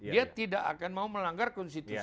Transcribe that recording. dia tidak akan mau melanggar konstitusi